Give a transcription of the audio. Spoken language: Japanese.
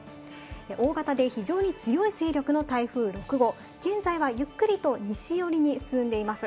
大型で非常に強い勢力の台風６号、現在はゆっくりと西寄りに進んでいます。